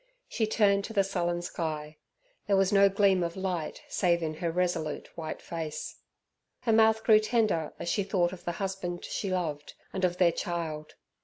She turned to the sullen sky. There was no gleam of light save in her resolute, white face. Her mouth grew tender, as she thought of the husband she loved, and of their child.